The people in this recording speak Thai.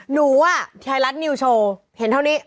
หนูอ่ะไทยรัฐนิวโชว์เห็นเท่านี้